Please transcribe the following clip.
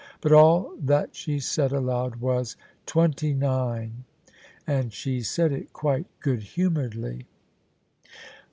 But all that she said aloud was: " Twenty nine." And she said it quite good humouredly.